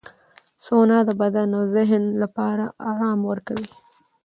سونا د بدن او ذهن لپاره آرام ورکوي.